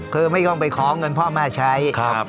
คือไม่ต้องไปขอเงินพ่อแม่ใช้